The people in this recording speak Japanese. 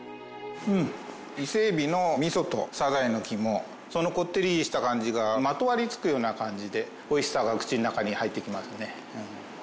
伊勢えびのミソとサザエの肝そのこってりした感じがまとわりつくような感じでおいしさが口の中に入ってきますね。